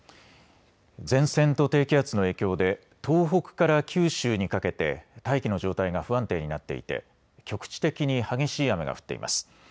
前線と低気圧の影響で東北から九州にかけて大気の状態が不安定になっていて局地的に激しい雨が降っています。